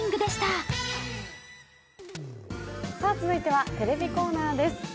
続いてはテレビコーナーです。